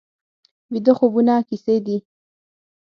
ویده خوبونه کیسې دي